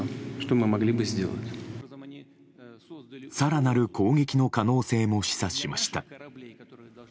更なる攻撃の可能性も示唆しました。